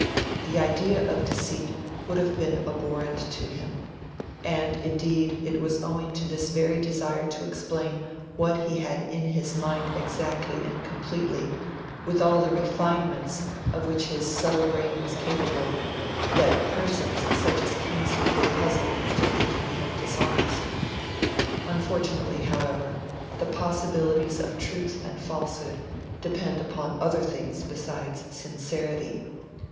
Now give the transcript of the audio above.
The idea of deceit would have been abhorrent to him; and indeed it was owing to his very desire to explain what he had in his mind exactly and completely, with all the refinements of which his subtle brain was capable, that persons such as Kingsley were puzzled into thinking him dishonest. Unfortunately, however, the possibilities of truth and falsehood depend upon other things besides sincerity.